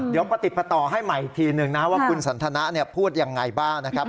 เดี๋ยวประติดประต่อให้ใหม่อีกทีหนึ่งนะว่าคุณสันทนะพูดยังไงบ้างนะครับ